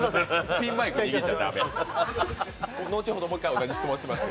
ピンマイク握っちゃ駄目。